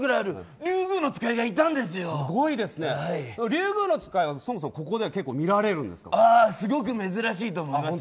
リュウグウノツカイはそもそもすごく珍しいと思います。